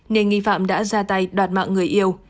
nên nghi phạm đã ra tay đoạt mạng người yêu